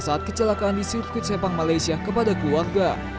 saat kecelakaan di sirkuit sepang malaysia kepada keluarga